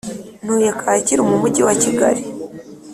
Ntuye kacyiru mu mujyi wa Kigali